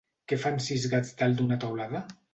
Què fan sis gats dalt d'una teulada?